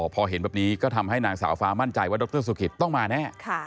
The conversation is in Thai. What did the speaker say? พอเห็นแบบนี้ก็ทำให้นางสาวฟ้ามั่นใจว่าดรสุกิตต้องมาแน่